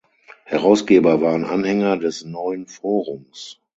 Herausgeber waren Anhänger des Neuen Forums.